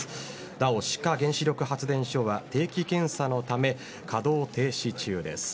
なお、志賀原子力発電所は定期検査のため稼働停止中です。